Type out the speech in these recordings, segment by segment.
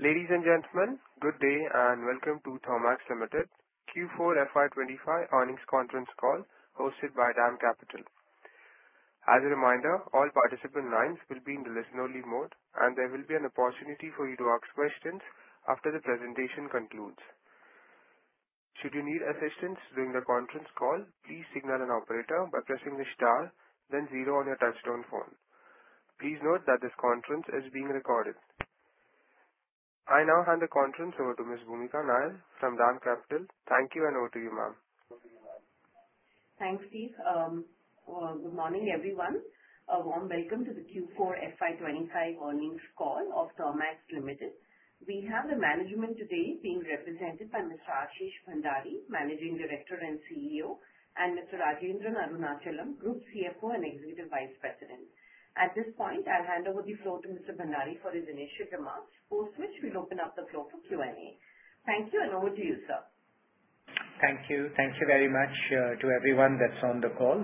Ladies and gentlemen, good day and welcome to Thermax Q4 FY 2025 earnings conference call hosted by DAM Capital. As a reminder, all participant lines will be in the listen-only mode, and there will be an opportunity for you to ask questions after the presentation concludes. Should you need assistance during the conference call, please signal an operator by pressing the star, then zero on your touch-tone phone. Please note that this conference is being recorded. I now hand the conference over to Ms. Bhoomika Nair from DAM Capital. Thank you, and over to you, ma'am. Thanks, Steve. Good morning, everyone. A warm welcome to the Q4 FY 2025 earnings call of Thermax Limited. We have the management today being represented by Mr. Ashish Bhandari, Managing Director and CEO, and Mr. Rajendran Arunachalam, Group CFO and Executive Vice President. At this point, I'll hand over the floor to Mr. Bhandari for his initial remarks, post which we'll open up the floor for Q&A. Thank you, and over to you, sir. Thank you. Thank you very much to everyone that's on the call.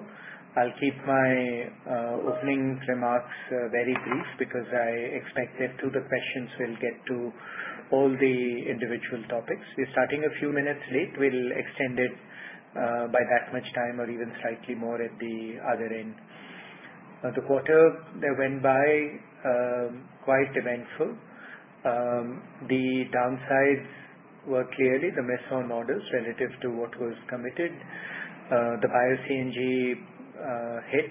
I'll keep my opening remarks very brief because I expect that through the questions we'll get to all the individual topics. We're starting a few minutes late. We'll extend it by that much time or even slightly more at the other end. The quarter that went by was quite eventful. The downsides were clearly the miss on orders relative to what was committed. The bio-CNG hit,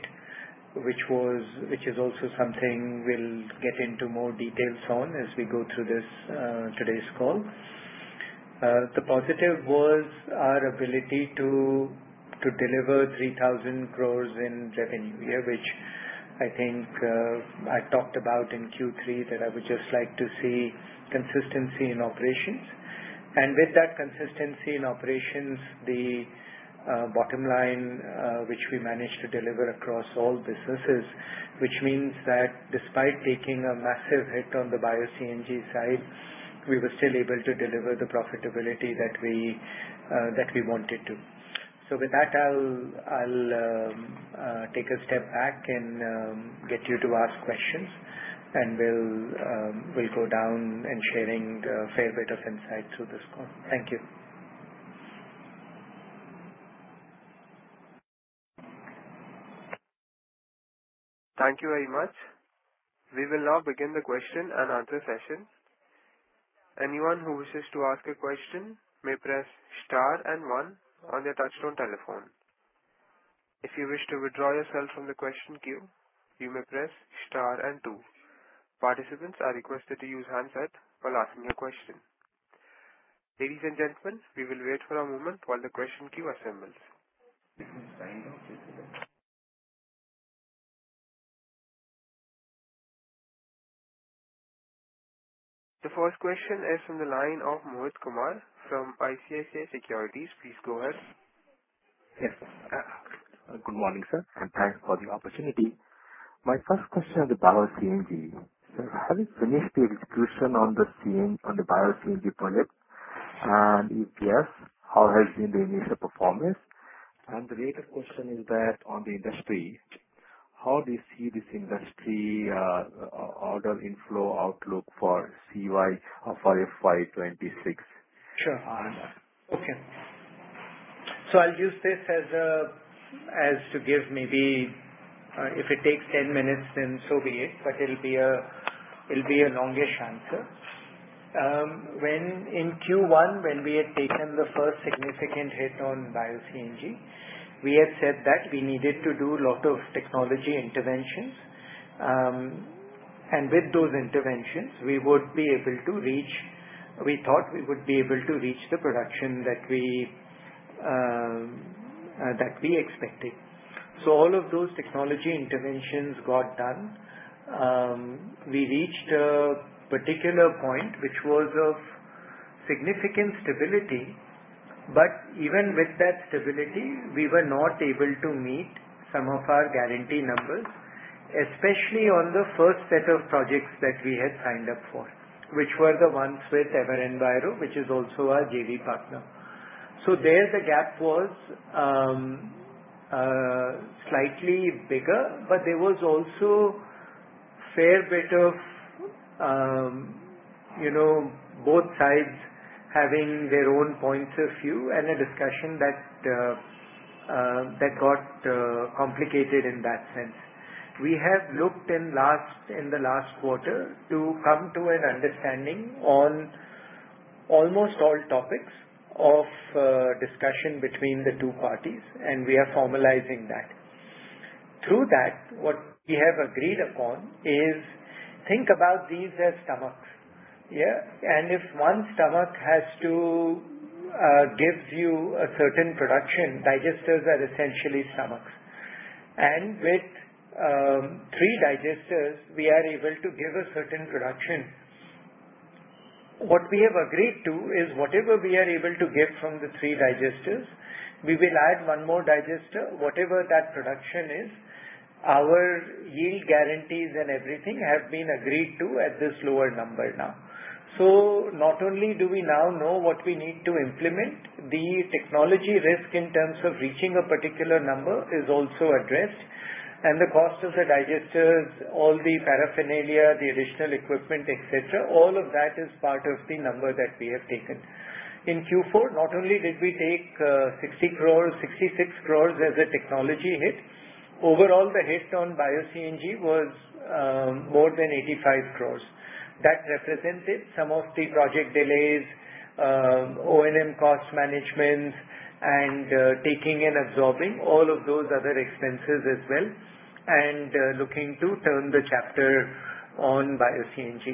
which is also something we'll get into more details on as we go through today's call. The positive was our ability to deliver 3,000 crores in revenue, which I think I talked about in Q3 that I would just like to see consistency in operations. And with that consistency in operations, the bottom line, which we managed to deliver across all businesses, which means that despite taking a massive hit on the bio-CNG side, we were still able to deliver the profitability that we wanted to. So with that, I'll take a step back and get you to ask questions, and we'll go down and share a fair bit of insight through this call. Thank you. Thank you very much. We will now begin the question and answer session. Anyone who wishes to ask a question may press star and one on their touch-tone telephone. If you wish to withdraw yourself from the question queue, you may press star and two. Participants are requested to use handset while asking a question. Ladies and gentlemen, we will wait for a moment while the question queue assembles. This is kind of difficult. The first question is from the line of Mohit Kumar from ICICI Securities. Please go ahead. Yes. Good morning, sir, and thanks for the opportunity. My first question on the bio-CNG, sir, have you finished the execution on the bio-CNG project? And if yes, how has been the initial performance? And the later question is that on the industry, how do you see this industry order inflow outlook for FY 2026? Sure. Okay. So I'll use this as to give maybe if it takes 10 minutes, then so be it, but it'll be a longish answer. In Q1, when we had taken the first significant hit on bio CNG, we had said that we needed to do a lot of technology interventions. And with those interventions, we would be able to reach, we thought we would be able to reach the production that we expected. So all of those technology interventions got done. We reached a particular point, which was of significant stability. But even with that stability, we were not able to meet some of our guarantee numbers, especially on the first set of projects that we had signed up for, which were the ones with EverEnviro, which is also our JV partner. So there the gap was slightly bigger, but there was also a fair bit of both sides having their own points of view and a discussion that got complicated in that sense. We have looked in the last quarter to come to an understanding on almost all topics of discussion between the two parties, and we are formalizing that. Through that, what we have agreed upon is, think about these as stomachs. And if one stomach has to give you a certain production, digesters are essentially stomachs. And with three digesters, we are able to give a certain production. What we have agreed to is whatever we are able to give from the three digesters, we will add one more digester. Whatever that production is, our yield guarantees and everything have been agreed to at this lower number now. Not only do we now know what we need to implement, the technology risk in terms of reaching a particular number is also addressed. And the cost of the digesters, all the paraphernalia, the additional equipment, etc., all of that is part of the number that we have taken. In Q4, not only did we take 60 crores, 66 crores as a technology hit, overall the hit on Bio-CNG was more than 85 crores. That represented some of the project delays, O&M cost management, and taking and absorbing all of those other expenses as well, and looking to turn the chapter on Bio-CNG.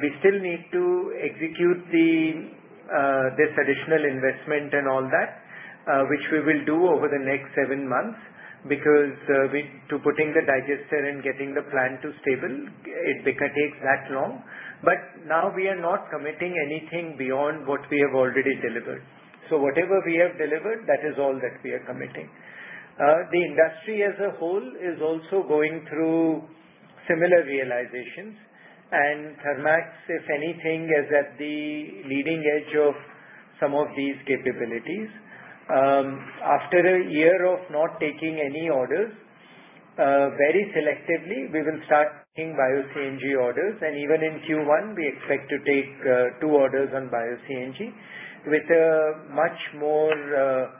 We still need to execute this additional investment and all that, which we will do over the next seven months because to putting the digester and getting the plant to stable, it takes that long. But now we are not committing anything beyond what we have already delivered. So whatever we have delivered, that is all that we are committing. The industry as a whole is also going through similar realizations. And Thermax, if anything, is at the leading edge of some of these capabilities. After a year of not taking any orders, very selectively, we will start taking bio-CNG orders. And even in Q1, we expect to take two orders on bio-CNG with much more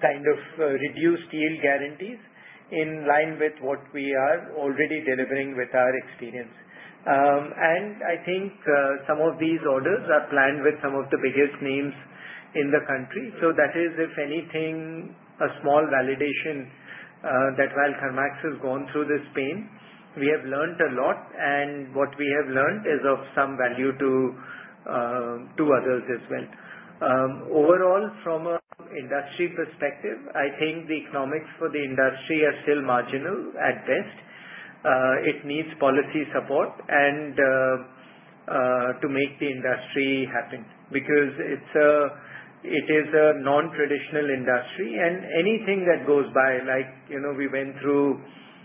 kind of reduced yield guarantees in line with what we are already delivering with our experience. And I think some of these orders are planned with some of the biggest names in the country. So that is, if anything, a small validation that while Thermax has gone through this pain, we have learned a lot. What we have learned is of some value to others as well. Overall, from an industry perspective, I think the economics for the industry are still marginal at best. It needs policy support to make the industry happen because it is a non-traditional industry. Anything that goes by, like we went through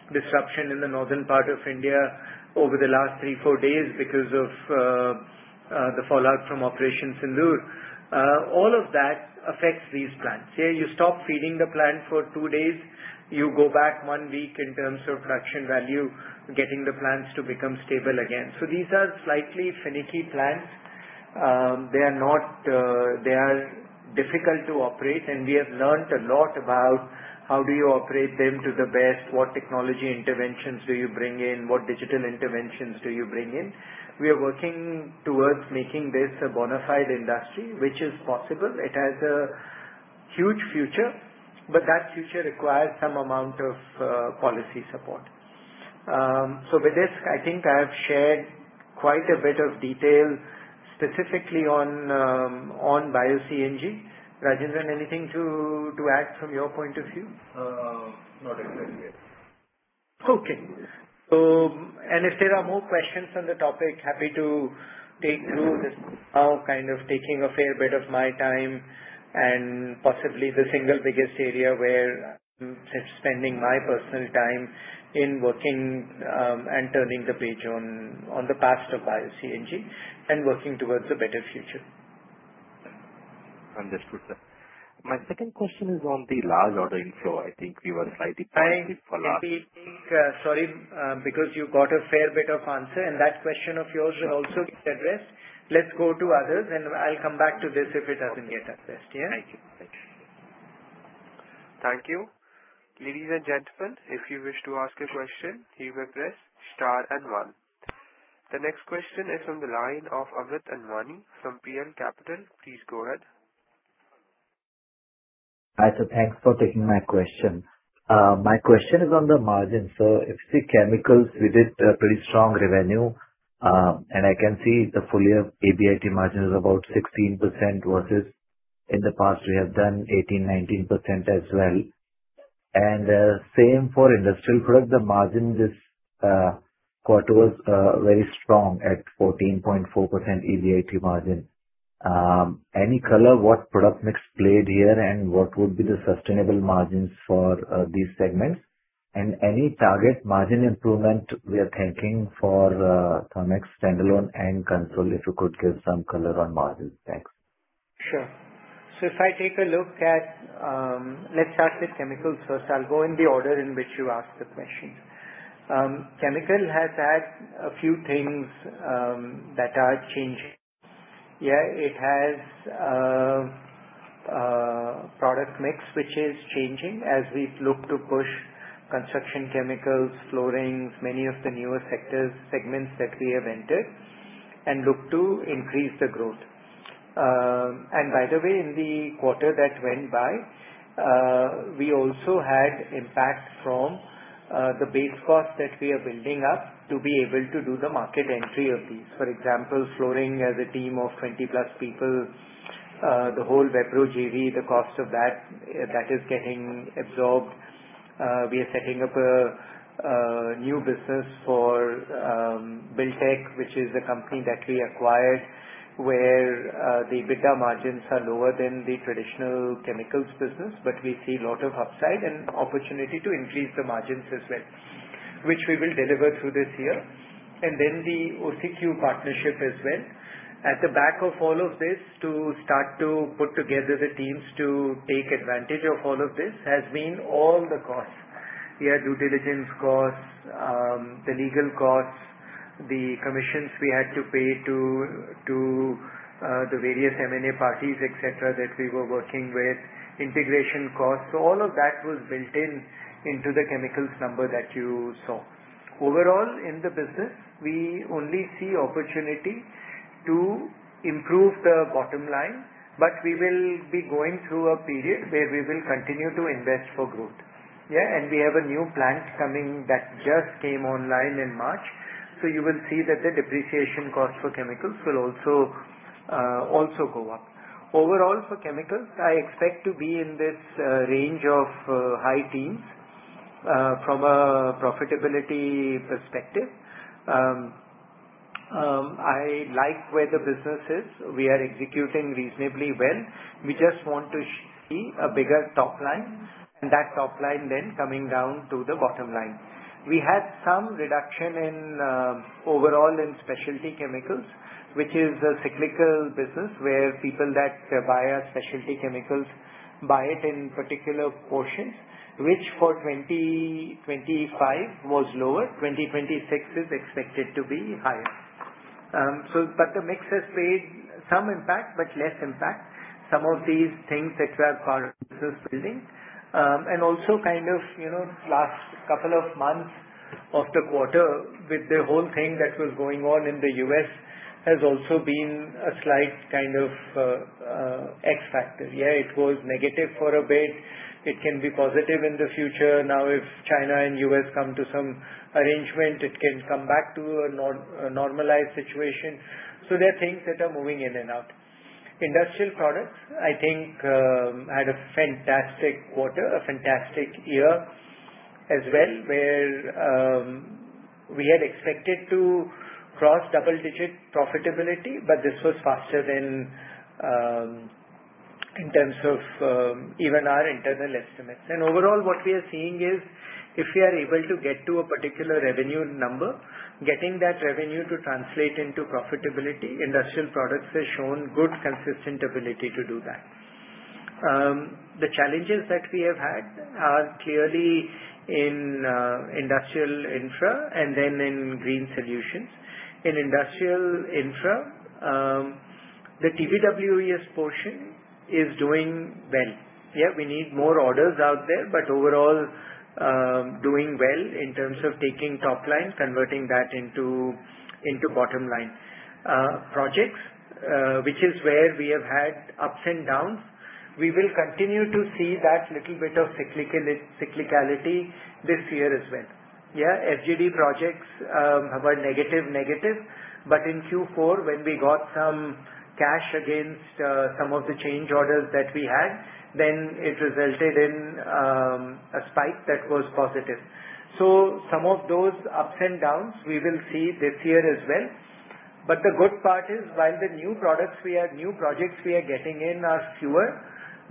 disruption in the northern part of India over the last three, four days because of the fallout from Operation Shambhu, all of that affects these plants. You stop feeding the plant for two days. You go back one week in terms of production value, getting the plants to become stable again. These are slightly finicky plants. They are difficult to operate. We have learned a lot about how do you operate them to the best, what technology interventions do you bring in, what digital interventions do you bring in. We are working towards making this a bona fide industry, which is possible. It has a huge future, but that future requires some amount of policy support. So with this, I think I have shared quite a bit of detail specifically on bio-CNG. Rajendran, anything to add from your point of view? Not exactly. Okay. And if there are more questions on the topic, happy to take through this now, kind of taking a fair bit of my time and possibly the single biggest area where I'm spending my personal time in working and turning the page on the past of Bio-CNG and working towards a better future. Understood, sir. My second question is on the large ordering flow. I think we were slightly fallout. Sorry, because you got a fair bit of answer. And that question of yours will also get addressed. Let's go to others, and I'll come back to this if it hasn't yet addressed. Yeah? Thank you. Thank you. Thank you. Ladies and gentlemen, if you wish to ask a question, you may press star and one. The next question is from the line of Amit Anwani from PL Capital. Please go ahead. Hi, so thanks for taking my question. My question is on the margins. So the chemicals within it had pretty strong revenue, and I can see the full year EBIT margin is about 16% versus in the past we have done 18%-19% as well. And same for industrial products, the margin this quarter was very strong at 14.4% EBIT margin. Any color on what product mix played here and what would be the sustainable margins for these segments? And any target margin improvement we are thinking for Thermax standalone and consolidated, if you could give some color on margins. Thanks. Sure. So if I take a look at, let's start with chemicals first. I'll go in the order in which you asked the questions. Chemicals has had a few things that are changing. Yeah, it has product mix, which is changing as we look to push construction chemicals, floorings, many of the newer sectors, segments that we have entered, and look to increase the growth. And by the way, in the quarter that went by, we also had impact from the base cost that we are building up to be able to do the market entry of these. For example, flooring as a team of 20+ people, the whole Vebro JV, the cost of that, that is getting absorbed. We are setting up a new business for Buildtech, which is a company that we acquired where the bidder margins are lower than the traditional chemicals business, but we see a lot of upside and opportunity to increase the margins as well, which we will deliver through this year, and then the OQ partnership as well. At the back of all of this, to start to put together the teams to take advantage of all of this has been all the costs. We had due diligence costs, the legal costs, the commissions we had to pay to the various M&A parties, etc., that we were working with, integration costs. So all of that was built into the chemicals number that you saw. Overall, in the business, we only see opportunity to improve the bottom line, but we will be going through a period where we will continue to invest for growth. Yeah, and we have a new plant coming that just came online in March. So you will see that the depreciation cost for chemicals will also go up. Overall, for chemicals, I expect to be in this range of high teens from a profitability perspective. I like where the business is. We are executing reasonably well. We just want to see a bigger top line, and that top line then coming down to the bottom line. We had some reduction overall in specialty chemicals, which is a cyclical business where people that buy specialty chemicals buy it in particular portions, which for 2025 was lower. 2026 is expected to be higher. But the mix has played some impact, but less impact. Some of these things that we have are business building, and also kind of last couple of months of the quarter with the whole thing that was going on in the U.S. has also been a slight kind of X factor. Yeah, it was negative for a bit. It can be positive in the future. Now, if China and U.S. come to some arrangement, it can come back to a normalized situation, so there are things that are moving in and out. Industrial products, I think, had a fantastic quarter, a fantastic year as well, where we had expected to cross double-digit profitability, but this was faster in terms of even our internal estimates, and overall, what we are seeing is if we are able to get to a particular revenue number, getting that revenue to translate into profitability, industrial products have shown good consistent ability to do that. The challenges that we have had are clearly in industrial infra and then in green solutions. In industrial infra, the TBWES portion is doing well. Yeah, we need more orders out there, but overall doing well in terms of taking top line, converting that into bottom line projects, which is where we have had ups and downs. We will continue to see that little bit of cyclicality this year as well. Yeah, FGD projects were negative, negative. But in Q4, when we got some cash against some of the change orders that we had, then it resulted in a spike that was positive. So some of those ups and downs, we will see this year as well. But the good part is while the new products we have, new projects we are getting in are fewer,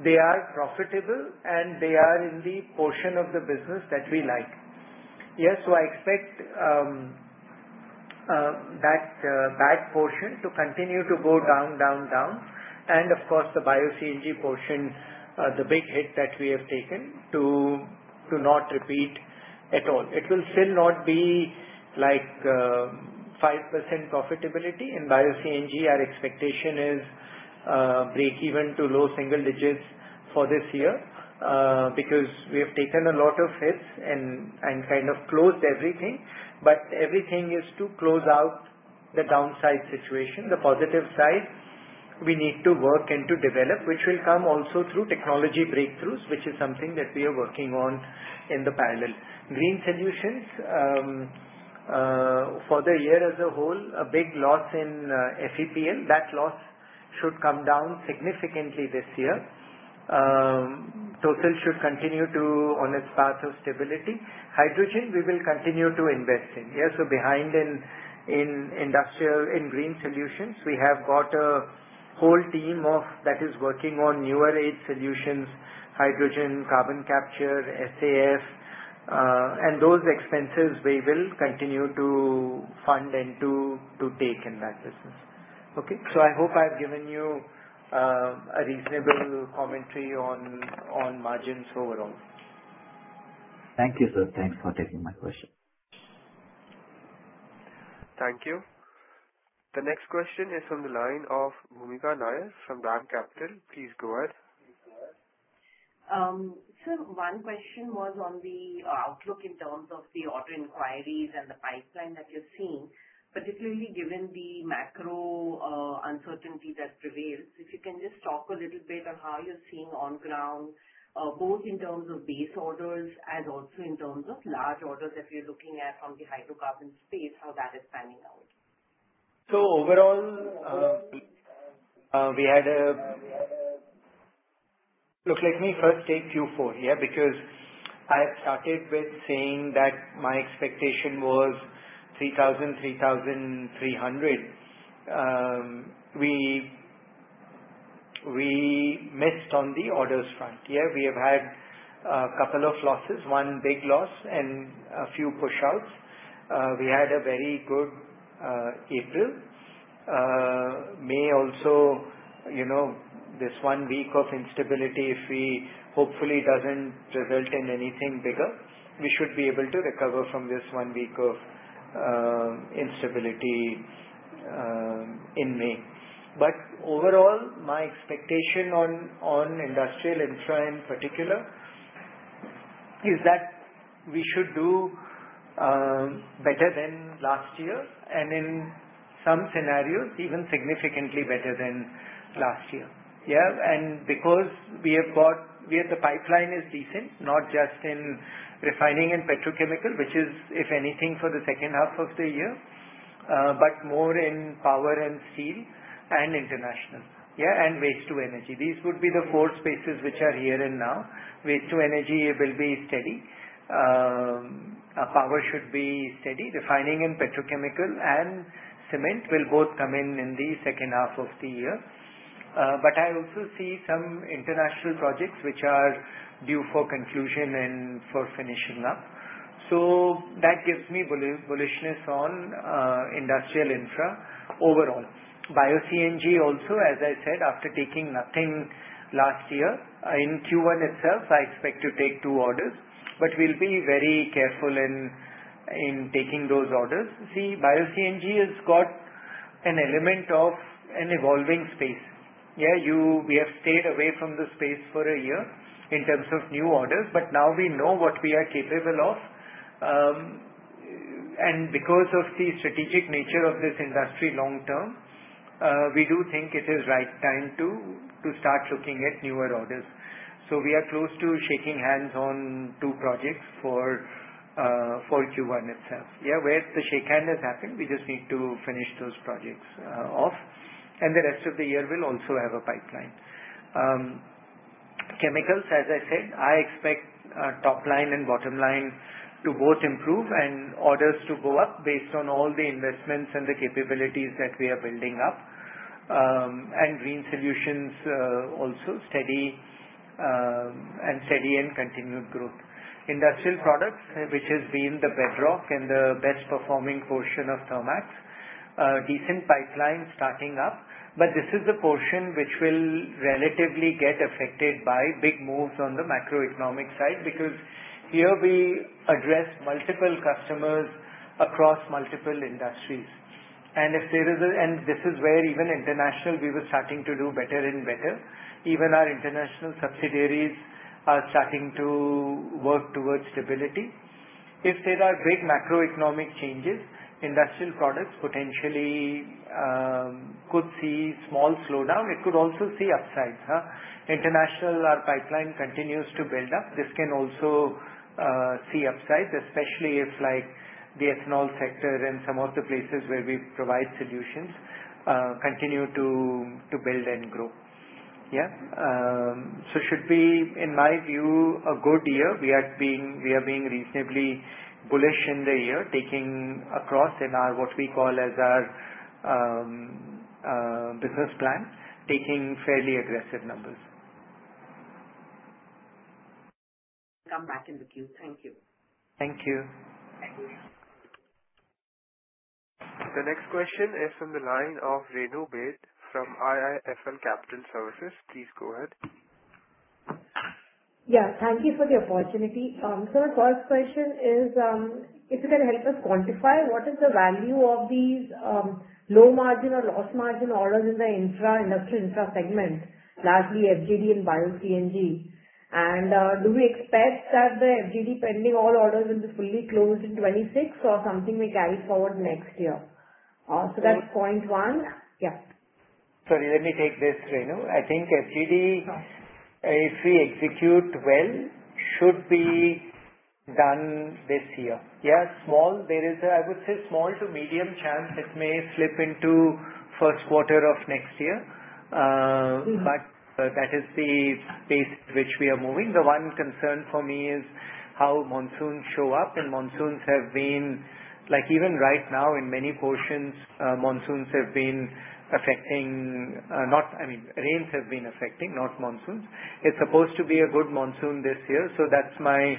they are profitable, and they are in the portion of the business that we like. Yeah, so I expect that bad portion to continue to go down, down, down. And of course, the bio-CNG portion, the big hit that we have taken to not repeat at all. It will still not be like 5% profitability in bio-CNG. Our expectation is break even to low single digits for this year because we have taken a lot of hits and kind of closed everything. But everything is to close out the downside situation. The positive side, we need to work and to develop, which will come also through technology breakthroughs, which is something that we are working on in parallel. Green solutions for the year as a whole, a big loss in FEPL. That loss should come down significantly this year. TOSEL should continue to be on its path of stability. Hydrogen, we will continue to invest in. Yeah, so behind in green solutions, we have got a whole team that is working on newer age solutions, hydrogen, carbon capture, SAF, and those expenses we will continue to fund and to take in that business. Okay, so I hope I've given you a reasonable commentary on margins overall. Thank you, sir. Thanks for taking my question. Thank you. The next question is from the line of Bhoomika Nair from DAM Capital. Please go ahead. So one question was on the outlook in terms of the order inquiries and the pipeline that you're seeing, particularly given the macro uncertainty that prevails. If you can just talk a little bit on how you're seeing on ground, both in terms of base orders and also in terms of large orders that we are looking at from the hydrocarbon space, how that is panning out? So, overall, we had a look. Let me first take Q4 here because I started with saying that my expectation was 3,000-3,300. We missed on the orders front. Yeah, we have had a couple of losses, one big loss and a few push-outs. We had a very good April. May also, this one week of instability, if we hopefully doesn't result in anything bigger, we should be able to recover from this one week of instability in May. But overall, my expectation on industrial infra in particular is that we should do better than last year and in some scenarios, even significantly better than last year. Yeah, and because we have got the pipeline is decent, not just in refining and petrochemical, which is, if anything, for the second half of the year, but more in power and steel and international. Yeah, and waste to energy. These would be the four spaces which are here and now. Waste-to-energy will be steady. Power should be steady. Refining and petrochemical and cement will both come in in the second half of the year. But I also see some international projects which are due for conclusion and for finishing up. So that gives me bullishness on industrial infra overall. Bio-CNG also, as I said, after taking nothing last year. In Q1 itself, I expect to take two orders, but we'll be very careful in taking those orders. See, Bio-CNG has got an element of an evolving space. Yeah, we have stayed away from the space for a year in terms of new orders, but now we know what we are capable of. And because of the strategic nature of this industry long term, we do think it is right time to start looking at newer orders. So we are close to shaking hands on two projects for Q1 itself. Yeah, where the shake hand has happened, we just need to finish those projects off. And the rest of the year will also have a pipeline. Chemicals, as I said, I expect top line and bottom line to both improve and orders to go up based on all the investments and the capabilities that we are building up. And green solutions also steady and steady and continued growth. Industrial products, which has been the bedrock and the best performing portion of Thermax, decent pipeline starting up. But this is the portion which will relatively get affected by big moves on the macroeconomic side because here we address multiple customers across multiple industries. This is where even international, we were starting to do better and better. Even our international subsidiaries are starting to work towards stability. If there are big macroeconomic changes, industrial products potentially could see small slowdown. It could also see upsides. International, our pipeline continues to build up. This can also see upsides, especially if like the ethanol sector and some of the places where we provide solutions continue to build and grow. Yeah, so should be, in my view, a good year. We are being reasonably bullish in the year, taking across in our what we call as our business plan, taking fairly aggressive numbers. Come back in the queue. Thank you. Thank you. The next question is from the line of Renu Baid from IIFL Capital Services. Please go ahead. Yeah, thank you for the opportunity. So the first question is, if you can help us quantify what is the value of these low margin or loss margin orders in the industrial infra segment, largely FGD and Bio CNG? And do we expect that the FGD pending all orders will be fully closed in 26 or something we carry forward next year? So that's point one. Yeah. Sorry, let me take this, Renu. I think FGD, if we execute well, should be done this year. Yeah, small, there is a, I would say small to medium chance it may slip into first quarter of next year. But that is the space in which we are moving. The one concern for me is how monsoons show up. And monsoons have been, like even right now, in many portions, monsoons have been affecting, not, I mean, rains have been affecting, not monsoons. It's supposed to be a good monsoon this year. So that's my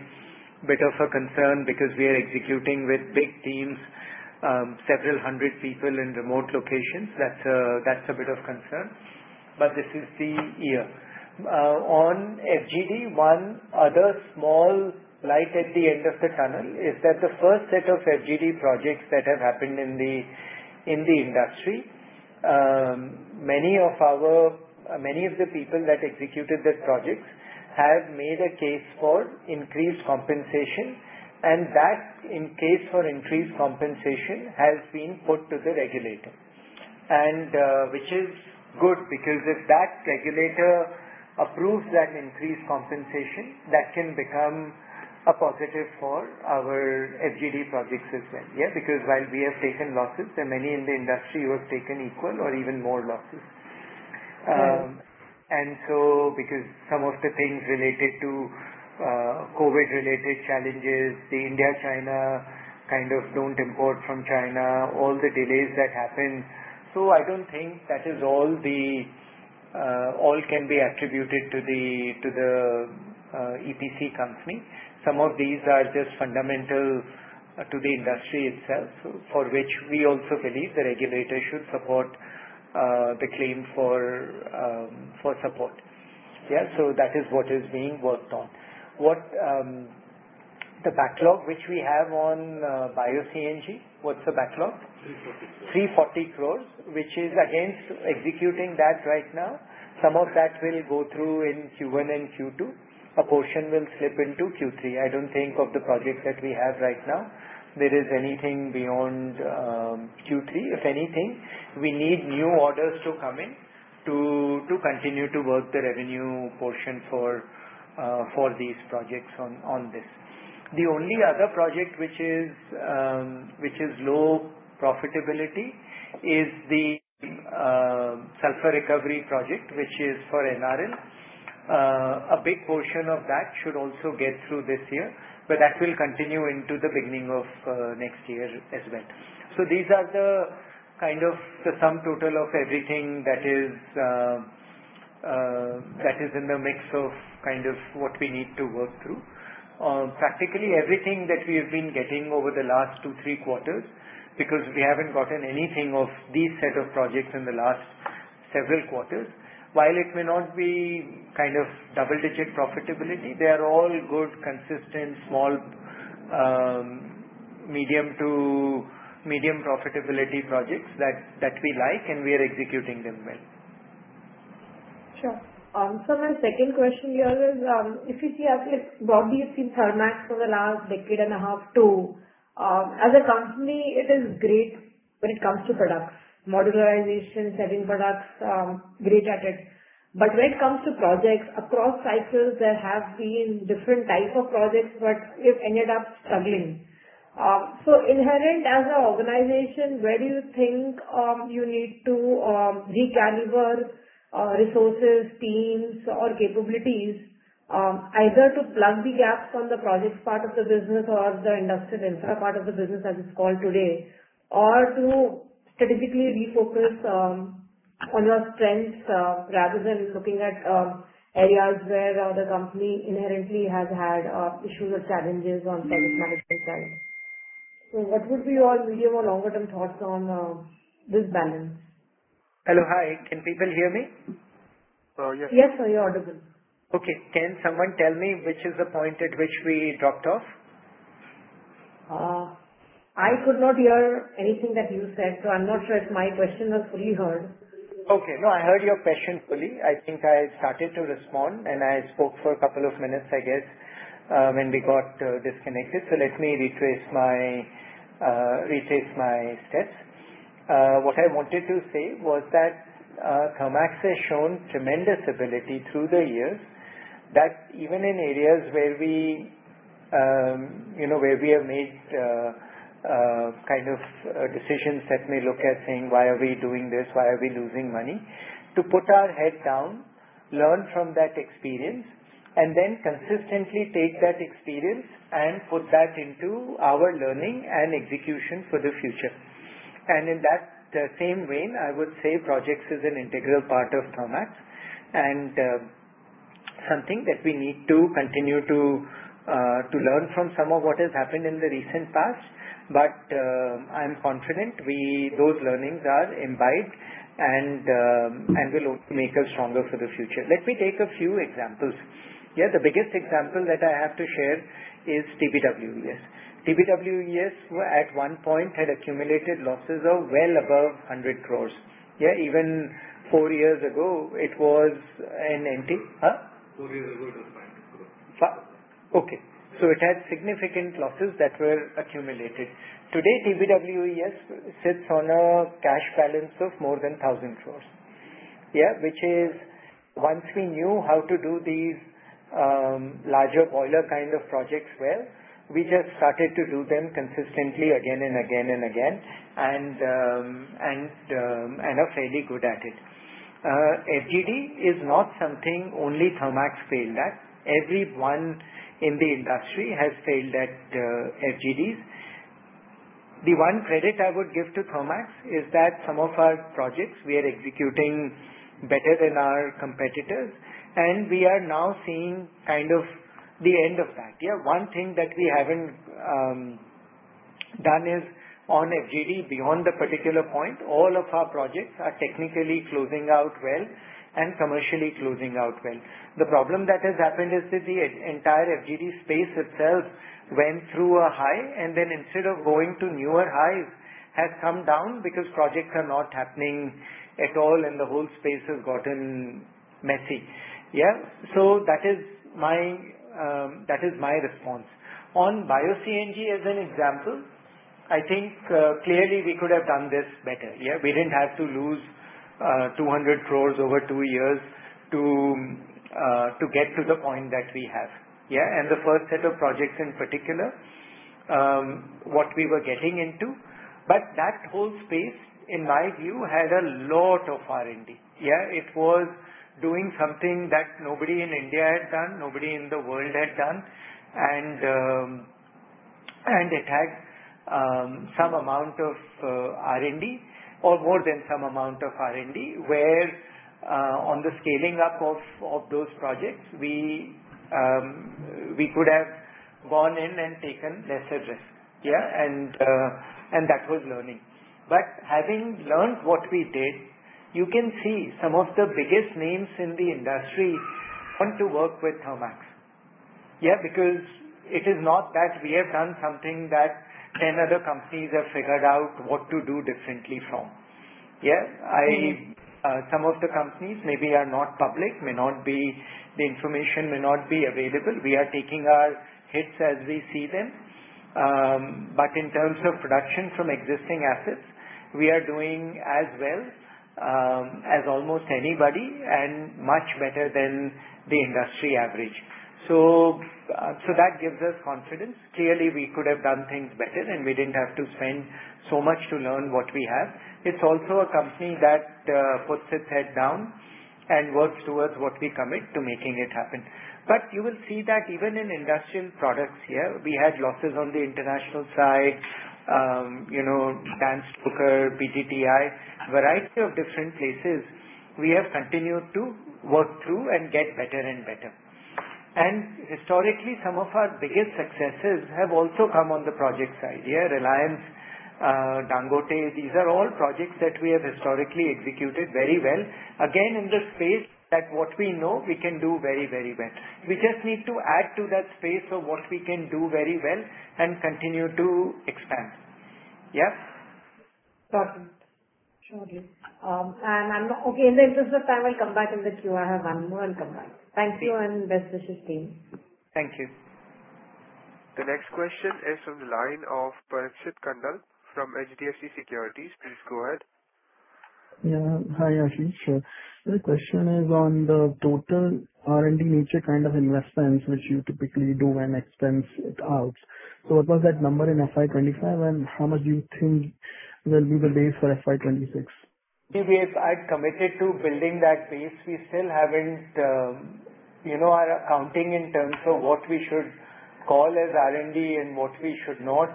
bit of a concern because we are executing with big teams, several hundred people in remote locations. That's a bit of concern. But this is the year. On FGD, one other small light at the end of the tunnel is that the first set of FGD projects that have happened in the industry, many of the people that executed the projects have made a case for increased compensation. And that case for increased compensation has been put to the regulator, which is good because if that regulator approves that increased compensation, that can become a positive for our FGD projects as well. Yeah, because while we have taken losses, there are many in the industry who have taken equal or even more losses. And so because some of the things related to COVID-related challenges, the India-China kind of don't import from China, all the delays that happen. So I don't think that all can be attributed to the EPC company. Some of these are just fundamental to the industry itself, for which we also believe the regulator should support the claim for support. Yeah, so that is what is being worked on. The backlog which we have on Bio-CNG, what's the backlog? 340 crores. 340 crores, which is against executing that right now. Some of that will go through in Q1 and Q2. A portion will slip into Q3. I don't think of the projects that we have right now, there is anything beyond Q3. If anything, we need new orders to come in to continue to work the revenue portion for these projects on this. The only other project which is low profitability is the sulfur recovery project, which is for NRL. A big portion of that should also get through this year, but that will continue into the beginning of next year as well. So these are the kind of the sum total of everything that is in the mix of kind of what we need to work through. Practically everything that we have been getting over the last two, three quarters, because we haven't gotten anything of these set of projects in the last several quarters. While it may not be kind of double-digit profitability, they are all good, consistent, small, medium-to-medium profitability projects that we like, and we are executing them well. Sure. So my second question here is, if you see at least broadly, it's been Thermax for the last decade and a half too. As a company, it is great when it comes to products, modularization, selling products, great at it. But when it comes to projects across cycles, there have been different types of projects that have ended up struggling. So inherent as an organization, where do you think you need to recalibrate resources, teams, or capabilities, either to plug the gaps on the project part of the business or the industrial infra part of the business, as it's called today, or to strategically refocus on your strengths rather than looking at areas where the company inherently has had issues or challenges on project management side? So what would be your medium or longer-term thoughts on this balance? Hello, hi. Can people hear me? Yes, you're audible. Okay. Can someone tell me which is the point at which we dropped off? I could not hear anything that you said, so I'm not sure if my question was fully heard. Okay. No, I heard your question fully. I think I started to respond, and I spoke for a couple of minutes, I guess, when we got disconnected, so let me retrace my steps. What I wanted to say was that Thermax has shown tremendous ability through the years that even in areas where we have made kind of decisions that may look at saying, "Why are we doing this? Why are we losing money?" to put our head down, learn from that experience, and then consistently take that experience and put that into our learning and execution for the future, and in that same vein, I would say projects is an integral part of Thermax and something that we need to continue to learn from some of what has happened in the recent past, but I'm confident those learnings are imbibed and will only make us stronger for the future. Let me take a few examples. Yeah, the biggest example that I have to share is TBWES. TBWES, at one point, had accumulated losses of well above 100 crores. Yeah, even four years ago, it was an empty. Four years ago, it was INR 500 crores. Okay. So it had significant losses that were accumulated. Today, TBWES sits on a cash balance of more than 1,000 crores, yeah, which is once we knew how to do these larger boiler kind of projects well, we just started to do them consistently again and again and again and are fairly good at it. FGD is not something only Thermax failed at. Everyone in the industry has failed at FGDs. The one credit I would give to Thermax is that some of our projects we are executing better than our competitors, and we are now seeing kind of the end of that. Yeah, one thing that we haven't done is on FGD, beyond the particular point, all of our projects are technically closing out well and commercially closing out well. The problem that has happened is that the entire FGD space itself went through a high, and then instead of going to newer highs, has come down because projects are not happening at all, and the whole space has gotten messy. Yeah, so that is my response. On Bio-CNG, as an example, I think clearly we could have done this better. Yeah, we didn't have to lose 200 crores over two years to get to the point that we have. Yeah, and the first set of projects in particular, what we were getting into. But that whole space, in my view, had a lot of R&D. Yeah, it was doing something that nobody in India had done, nobody in the world had done. It had some amount of R&D, or more than some amount of R&D, where on the scaling up of those projects, we could have gone in and taken lesser risk. Yeah, that was learning. Having learned what we did, you can see some of the biggest names in the industry want to work with Thermax. Yeah, because it is not that we have done something that 10 other companies have figured out what to do differently from. Yeah, some of the companies maybe are not public, may not be the information may not be available. We are taking our hits as we see them. In terms of production from existing assets, we are doing as well as almost anybody and much better than the industry average. That gives us confidence. Clearly, we could have done things better, and we didn't have to spend so much to learn what we have. It's also a company that puts its head down and works towards what we commit to making it happen, but you will see that even in industrial products here, we had losses on the international side, Danstoker, PT TII, a variety of different places. We have continued to work through and get better and better, and historically, some of our biggest successes have also come on the project side. Yeah, Reliance, Dangote, these are all projects that we have historically executed very well. Again, in the space that what we know we can do very, very well. We just need to add to that space of what we can do very well and continue to expand. Yeah. Perfect. Surely. And I'm not okay. In the interest of time, I'll come back in the queue. I have one more and come back. Thank you and best wishes, team. Thank you. The next question is from the line of Parikshit Kandpal from HDFC Securities. Please go ahead. Yeah, hi, Ashish. Sure. The question is on the total R&D nature kind of investments which you typically do and expense it out. So what was that number in FY 2025, and how much do you think will be the base for FY 2026? If I've committed to building that base, we still haven't our accounting in terms of what we should call as R&D and what we should not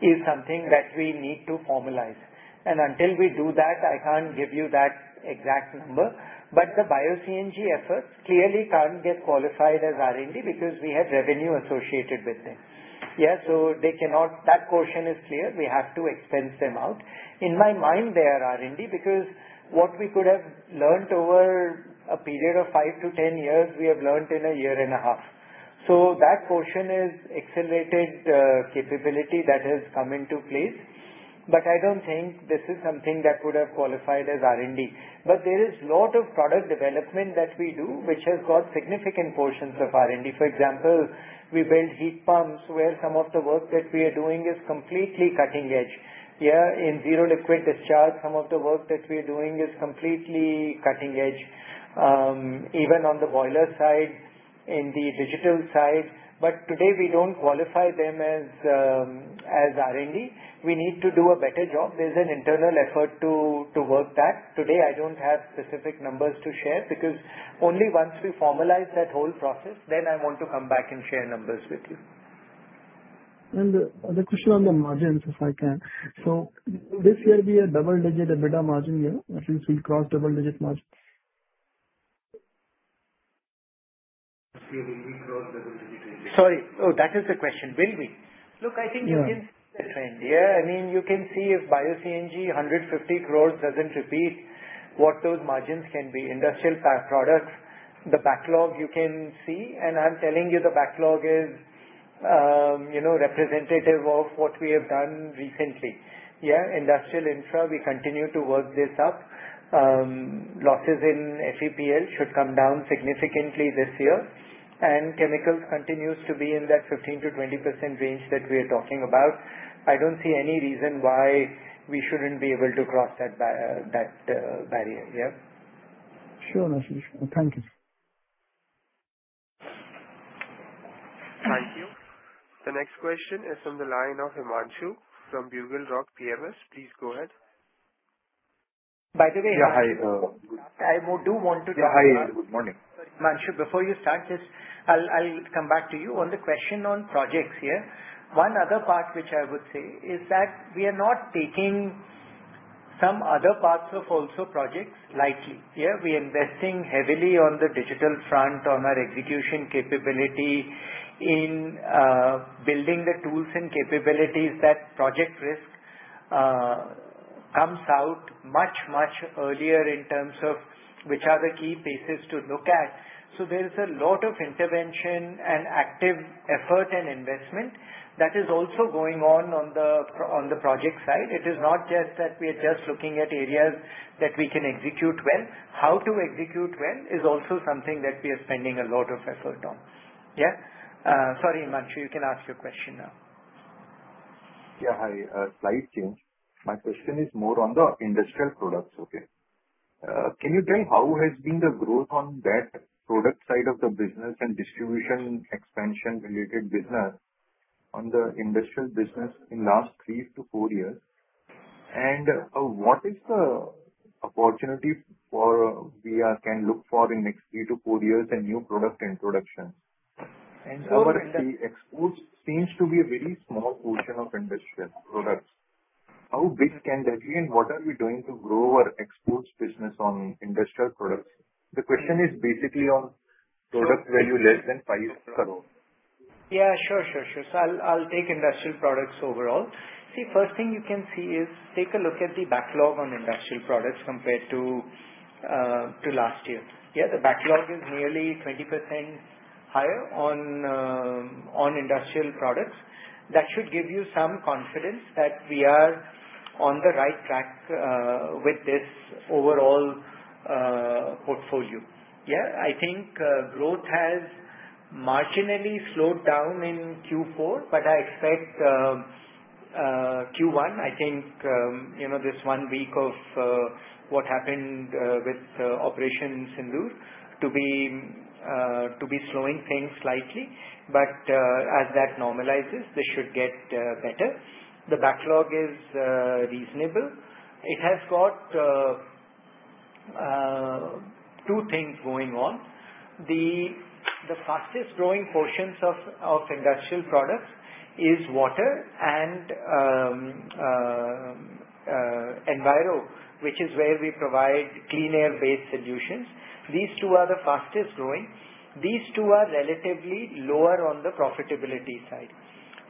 is something that we need to formalize. And until we do that, I can't give you that exact number. But the Bio-CNG efforts clearly can't get qualified as R&D because we have revenue associated with them. Yeah, so that portion is clear. We have to expense them out. In my mind, they are R&D because what we could have learned over a period of five to 10 years, we have learned in a year and a half. So that portion is accelerated capability that has come into place. But I don't think this is something that would have qualified as R&D. But there is a lot of product development that we do which has got significant portions of R&D. For example, we build heat pumps where some of the work that we are doing is completely cutting edge. Yeah, in zero liquid discharge, some of the work that we are doing is completely cutting edge, even on the boiler side, in the digital side. But today, we don't qualify them as R&D. We need to do a better job. There's an internal effort to work that. Today, I don't have specific numbers to share because only once we formalize that whole process, then I want to come back and share numbers with you. And the question on the margins, if I can. So this year, we are double-digit EBITDA margin here. At least we crossed double-digit margin. Sorry. Oh, that is the question. Will we? Look, I think you can see the trend. Yeah, I mean, you can see if Bio-CNG 150 crores doesn't repeat what those margins can be. Industrial products, the backlog, you can see. And I'm telling you, the backlog is representative of what we have done recently. Yeah, industrial infra, we continue to work this up. Losses in FEPL should come down significantly this year. And chemicals continues to be in that 15%-20% range that we are talking about. I don't see any reason why we shouldn't be able to cross that barrier. Yeah. Sure, Ashish. Thank you. Thank you. The next question is from the line of Himanshu from Buglerock PMS. Please go ahead. By the way. Yeah, hi. I do want to talk to you. Yeah, hi. Good morning. Himanshu, before you start, I'll come back to you on the question on projects here. One other part which I would say is that we are not taking some other parts of also projects lightly. Yeah, we are investing heavily on the digital front, on our execution capability in building the tools and capabilities that project risk comes out much, much earlier in terms of which are the key pieces to look at. So there is a lot of intervention and active effort and investment that is also going on on the project side. It is not just that we are just looking at areas that we can execute well. How to execute well is also something that we are spending a lot of effort on. Yeah. Sorry, Himanshu, you can ask your question now. Yeah, hi. Slight change. My question is more on the industrial products, okay? Can you tell how has been the growth on that product side of the business and distribution expansion related business on the industrial business in the last three to four years? And what is the opportunity we can look for in the next three to four years and new product introductions? And our exports seems to be a very small portion of industrial products. How big can that be? And what are we doing to grow our exports business on industrial products? The question is basically on product value less than 5 crores. Yeah, sure, sure, sure. So I'll take industrial products overall. See, first thing you can see is take a look at the backlog on industrial products compared to last year. Yeah, the backlog is nearly 20% higher on industrial products. That should give you some confidence that we are on the right track with this overall portfolio. Yeah, I think growth has marginally slowed down in Q4, but I expect Q1, I think this one week of what happened with Operation Sindoor to be slowing things slightly. But as that normalizes, this should get better. The backlog is reasonable. It has got two things going on. The fastest growing portions of industrial products is water and Enviro, which is where we provide clean air-based solutions. These two are the fastest growing. These two are relatively lower on the profitability side.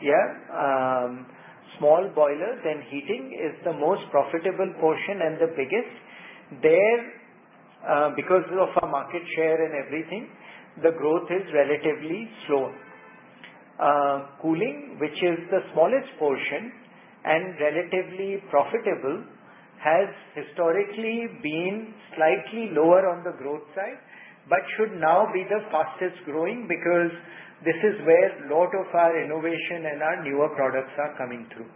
Yeah, small boilers and heating is the most profitable portion and the biggest. There, because of our market share and everything, the growth is relatively slow. Cooling, which is the smallest portion and relatively profitable, has historically been slightly lower on the growth side, but should now be the fastest growing because this is where a lot of our innovation and our newer products are coming through.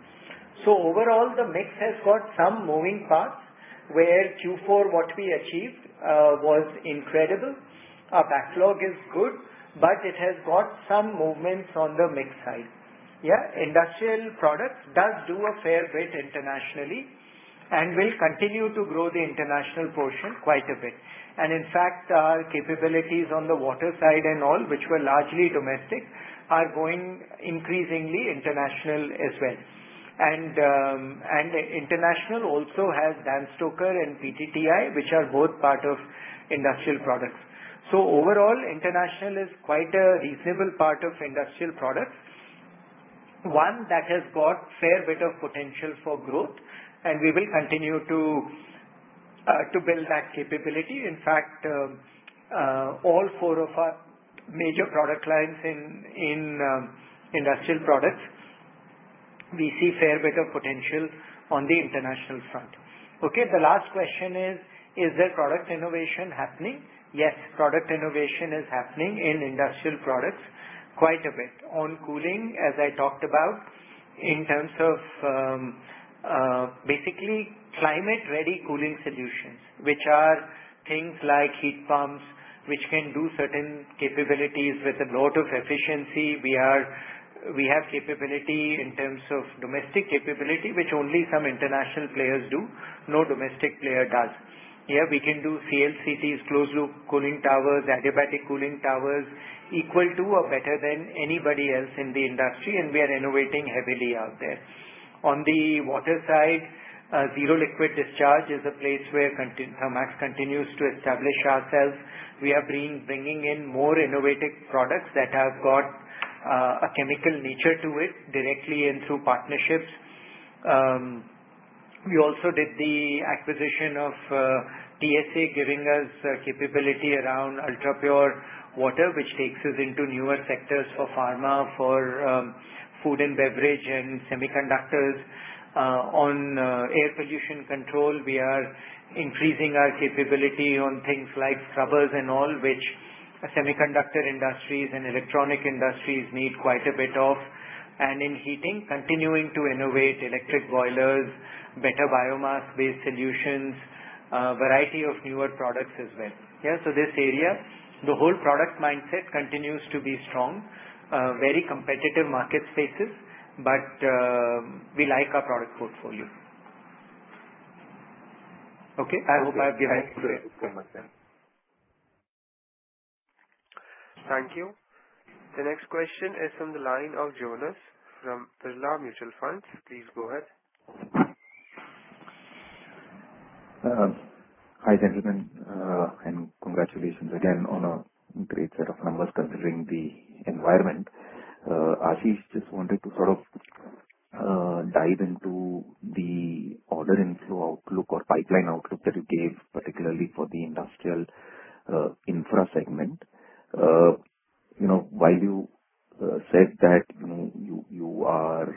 So overall, the mix has got some moving parts where Q4 what we achieved was incredible. Our backlog is good, but it has got some movements on the mix side. Yeah, industrial products does do a fair bit internationally and will continue to grow the international portion quite a bit. And in fact, our capabilities on the water side and all, which were largely domestic, are going increasingly international as well. International also has Danstoker and PT TII, which are both part of industrial products. So overall, international is quite a reasonable part of industrial products, one that has got a fair bit of potential for growth, and we will continue to build that capability. In fact, all four of our major product lines in industrial products, we see a fair bit of potential on the international front. Okay, the last question is, is there product innovation happening? Yes, product innovation is happening in industrial products quite a bit on cooling, as I talked about, in terms of basically climate-ready cooling solutions, which are things like heat pumps which can do certain capabilities with a lot of efficiency. We have capability in terms of domestic capability, which only some international players do. No domestic player does. Yeah, we can do CLCTs, closed-loop cooling towers, adiabatic cooling towers, equal to or better than anybody else in the industry, and we are innovating heavily out there. On the water side, zero liquid discharge is a place where we continue to establish ourselves. We are bringing in more innovative products that have got a chemical nature to it directly and through partnerships. We also did the acquisition of TSA, giving us capability around ultra-pure water, which takes us into newer sectors for pharma, for food and beverage, and semiconductors. On air pollution control, we are increasing our capability on things like scrubbers and all, which semiconductor industries and electronic industries need quite a bit of. And in heating, continuing to innovate electric boilers, better biomass-based solutions, a variety of newer products as well. Yeah, so this area, the whole product mindset continues to be strong. Very competitive market spaces, but we like our product portfolio. Okay, I hope I've given you the information. Thank you. The next question is from the line of Jonas from Aditya Birla Sun Life AMC. Please go ahead. Hi, gentlemen, and congratulations again on a great set of numbers considering the environment. Ashish just wanted to sort of dive into the order inflow outlook or pipeline outlook that you gave, particularly for the industrial infra segment. While you said that you are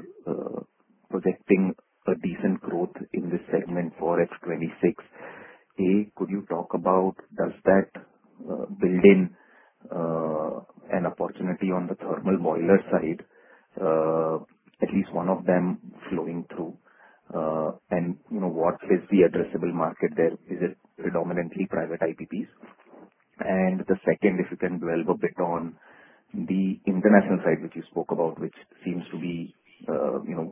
projecting a decent growth in this segment for FY 2026, could you talk about does that build in an opportunity on the thermal boiler side, at least one of them flowing through? And what is the addressable market there? Is it predominantly private IPPs? And the second, if you can dwell a bit on the international side which you spoke about, which seems to be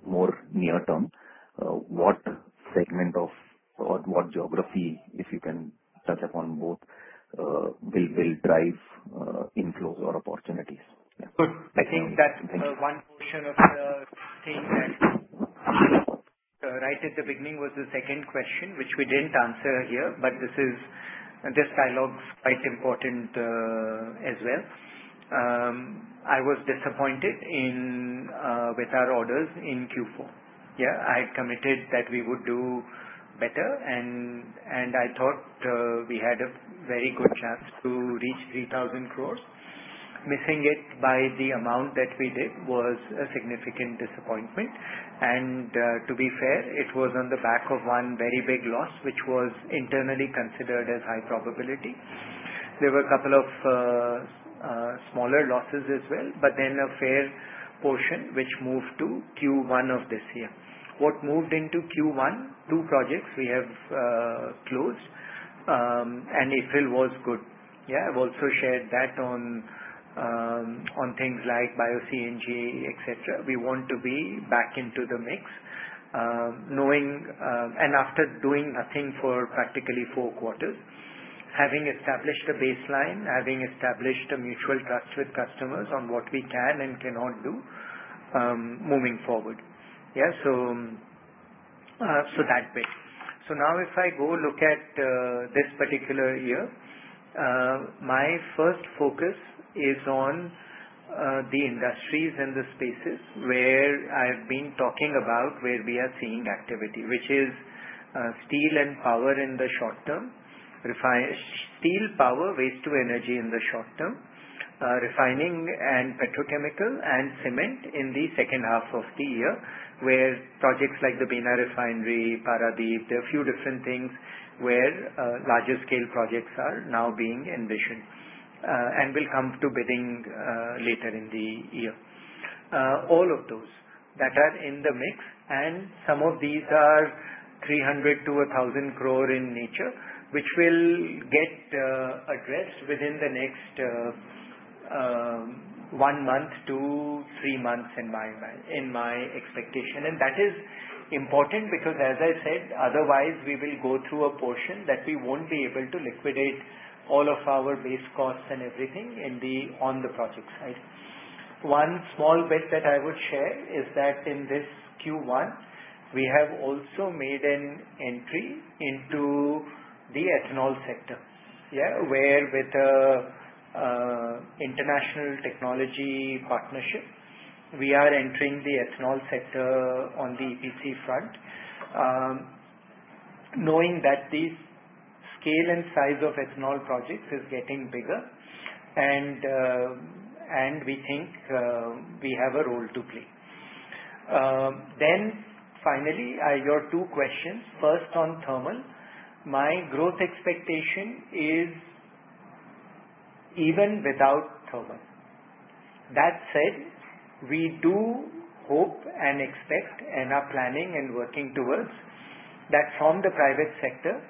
more near-term, what segment or what geography, if you can touch upon both, will drive inflows or opportunities? Good. I think that one portion of the thing that right at the beginning was the second question, which we didn't answer here, but this dialogue is quite important as well. I was disappointed with our orders in Q4. Yeah, I had committed that we would do better, and I thought we had a very good chance to reach 3,000 crores. Missing it by the amount that we did was a significant disappointment. And to be fair, it was on the back of one very big loss, which was internally considered as high probability. There were a couple of smaller losses as well, but then a fair portion which moved to Q1 of this year. What moved into Q1, two projects we have closed, and April was good. Yeah, I've also shared that on things like Bio-CNG, etc. We want to be back into the mix, knowing and after doing nothing for practically four quarters, having established a baseline, having established a mutual trust with customers on what we can and cannot do moving forward. Yeah, so that bit. So now if I go look at this particular year, my first focus is on the industries and the spaces where I've been talking about where we are seeing activity, which is steel and power in the short term, steel, power, waste-to-energy in the short term, refining and petrochemical, and cement in the second half of the year where projects like the Bina Refinery, Paradip, there are a few different things where larger scale projects are now being envisioned and will come to bidding later in the year. All of those that are in the mix, and some of these are 300-1,000 crore in nature, which will get addressed within the next one month to three months in my expectation. And that is important because, as I said, otherwise we will go through a portion that we won't be able to liquidate all of our base costs and everything on the project side. One small bit that I would share is that in this Q1, we have also made an entry into the ethanol sector, yeah, where with an international technology partnership, we are entering the ethanol sector on the EPC front, knowing that the scale and size of ethanol projects is getting bigger, and we think we have a role to play. Then finally, your two questions. First, on thermal, my growth expectation is even without thermal. That said, we do hope and expect and are planning and working towards that from the private sector,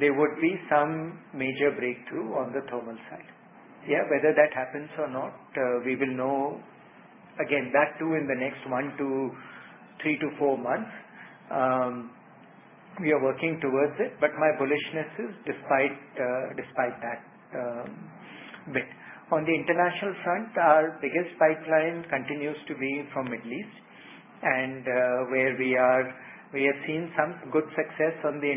there would be some major breakthrough on the thermal side. Yeah, whether that happens or not, we will know. Again, that too in the next one to three to four months. We are working towards it, but my bullishness is despite that bit. On the international front, our biggest pipeline continues to be from the Middle East, and where we have seen some good success on the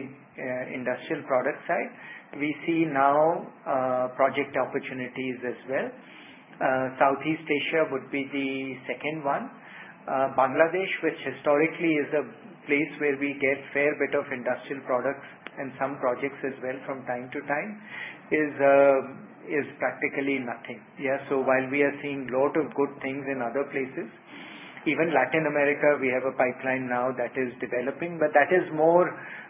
industrial product side, we see now project opportunities as well. Southeast Asia would be the second one. Bangladesh, which historically is a place where we get a fair bit of industrial products and some projects as well from time to time, is practically nothing. Yeah, so while we are seeing a lot of good things in other places, even Latin America, we have a pipeline now that is developing, but that is more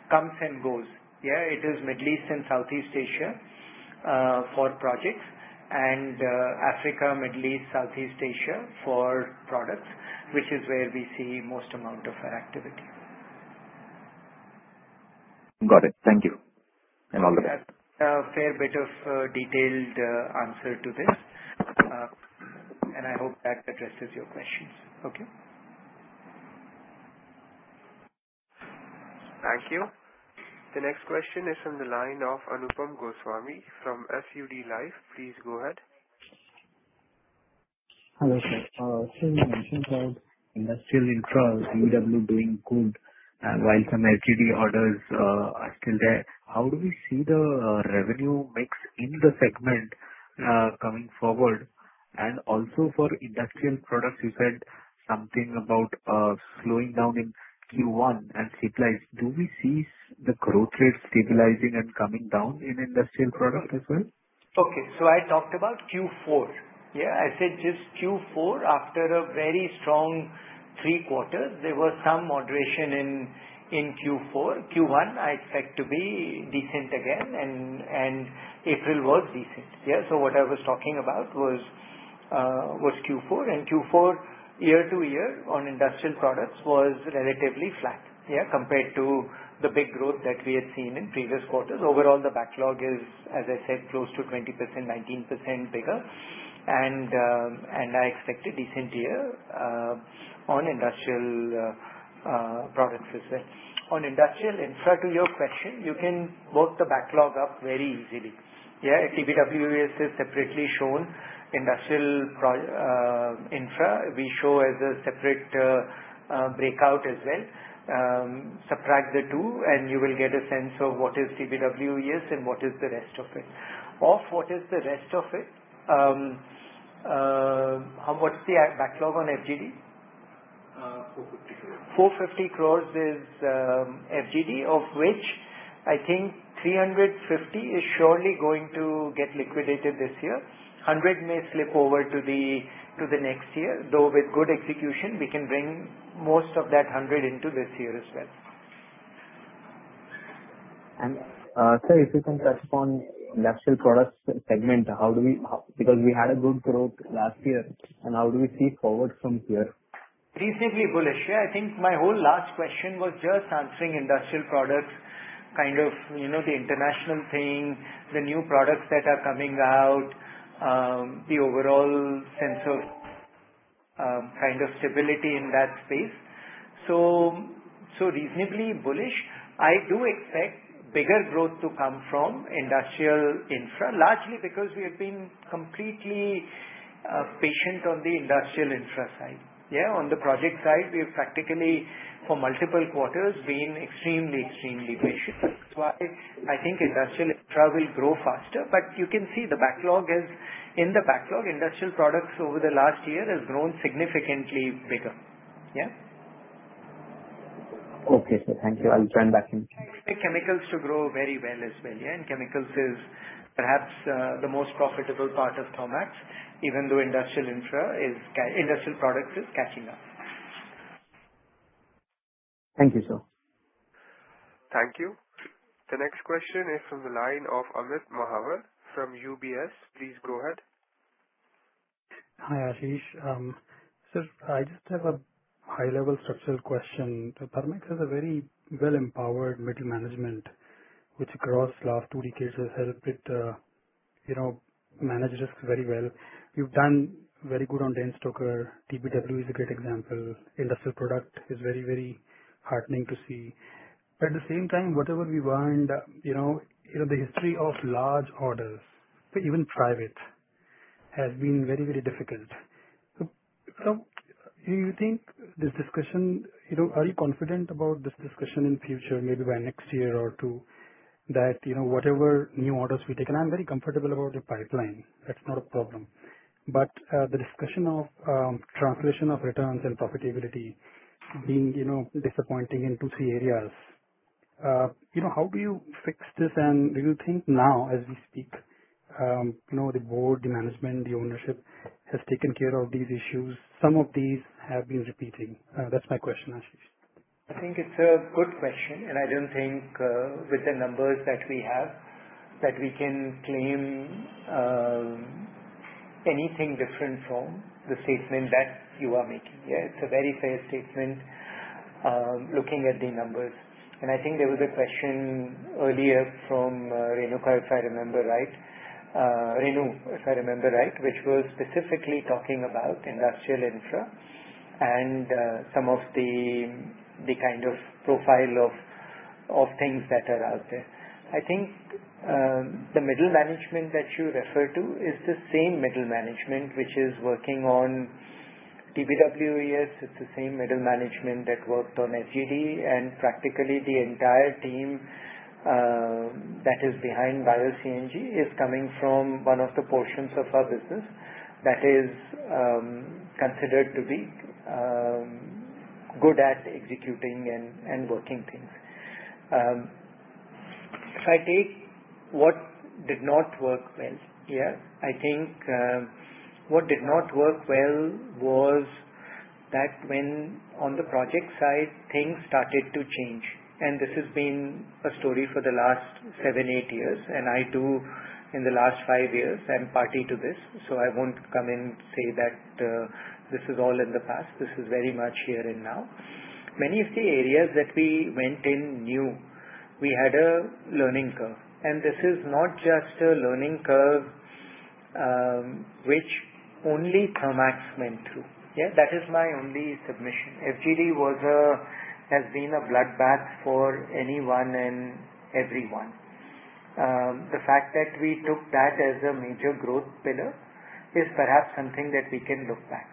comes and goes. Yeah, it is Middle East and Southeast Asia for projects and Africa, Middle East, Southeast Asia for products, which is where we see most amount of activity. Got it. Thank you, and all the best. That's a fair bit of detailed answer to this, and I hope that addresses your questions. Okay. Thank you. The next question is from the line of Anupam Goswami from SUD Life. Please go ahead. Hello, sir. As you mentioned, industrial infra is now doing good, and while some LTD orders are still there, how do we see the revenue mix in the segment coming forward? And also for industrial products, you said something about slowing down in Q1 and supplies. Do we see the growth rate stabilizing and coming down in industrial product as well? Okay, so I talked about Q4. Yeah, I said just Q4 after a very strong three quarters. There was some moderation in Q4. Q1, I expect to be decent again, and April was decent. Yeah, so what I was talking about was Q4, and Q4 year to year on industrial products was relatively flat, yeah, compared to the big growth that we had seen in previous quarters. Overall, the backlog is, as I said, close to 20%, 19% bigger, and I expect a decent year on industrial products as well. On industrial infra, to your question, you can work the backlog up very easily. Yeah, TBWES is separately shown. Industrial infra, we show as a separate breakout as well. Subtract the two, and you will get a sense of what is TBWES and what is the rest of it. Of what is the rest of it? What's the backlog on FGD? 450 crores. 450 crores is FGD, of which I think 350 crores is surely going to get liquidated this year. 100 crores may slip over to the next year, though with good execution, we can bring most of that 100 crores into this year as well. Sir, if you can touch upon industrial products segment, how do we, because we had a good growth last year, and how do we see forward from here? Reasonably bullish. Yeah, I think my whole last question was just answering industrial products, kind of the international thing, the new products that are coming out, the overall sense of kind of stability in that space. So reasonably bullish. I do expect bigger growth to come from industrial infra, largely because we have been completely patient on the industrial infra side. Yeah, on the project side, we have practically for multiple quarters been extremely, extremely patient. That's why I think industrial infra will grow faster, but you can see the backlog is in the backlog. Industrial products over the last year have grown significantly bigger. Yeah. Okay, sir. Thank you. I'll turn back in. Chemicals to grow very well as well. Yeah, and chemicals is perhaps the most profitable part of Thermax, even though industrial product is catching up. Thank you, sir. Thank you. The next question is from the line of Amit Mahawar from UBS. Please go ahead. Hi, Ashish. Sir, I just have a high-level structural question. Thermax has a very well-empowered middle management, which across the last two decades has helped it manage risks very well. We've done very good on Danstoker. TBW is a great example. Industrial product is very, very heartening to see. But at the same time, whatever we want, the history of large orders, even private, has been very, very difficult. So do you think this discussion are you confident about this discussion in the future, maybe by next year or two, that whatever new orders we take? And I'm very comfortable about the pipeline. That's not a problem. But the discussion of translation of returns and profitability being disappointing in two, three areas, how do you fix this? And do you think now, as we speak, the board, the management, the ownership has taken care of these issues? Some of these have been repeating. That's my question, Ashish. I think it's a good question, and I don't think with the numbers that we have that we can claim anything different from the statement that you are making. Yeah, it's a very fair statement looking at the numbers, and I think there was a question earlier from Renu, if I remember right, Renu, if I remember right, which was specifically talking about industrial infra and some of the kind of profile of things that are out there. I think the middle management that you refer to is the same middle management which is working on TBWES. It's the same middle management that worked on FGD, and practically the entire team that is behind Bio-CNG is coming from one of the portions of our business that is considered to be good at executing and working things. If I take what did not work well, yeah, I think what did not work well was that when on the project side, things started to change, and this has been a story for the last seven, eight years, and indeed in the last five years. I'm a party to this, so I won't come and say that this is all in the past. This is very much here and now. Many of the areas that we went into new. We had a learning curve, and this is not just a learning curve which only Thermax went through. Yeah, that is my only submission. FGD has been a bloodbath for anyone and everyone. The fact that we took that as a major growth pillar is perhaps something that we can look back.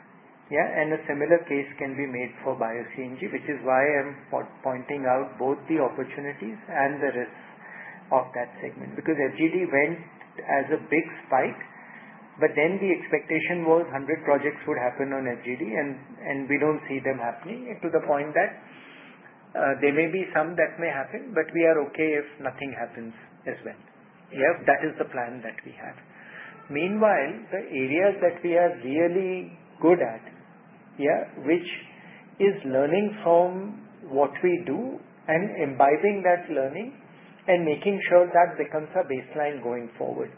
Yeah, and a similar case can be made for Bio-CNG, which is why I'm pointing out both the opportunities and the risks of that segment because FGD went as a big spike, but then the expectation was 100 projects would happen on FGD, and we don't see them happening to the point that there may be some that may happen, but we are okay if nothing happens as well. Yeah, that is the plan that we have. Meanwhile, the areas that we are really good at, yeah, which is learning from what we do and imbibing that learning and making sure that becomes a baseline going forward.